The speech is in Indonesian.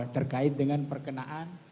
terkait dengan perkenaan